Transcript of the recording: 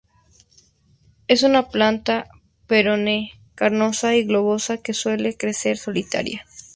Es una planta perenne carnosa y globosa que suele crecer solitaria.